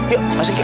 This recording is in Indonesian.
yuk masuk ki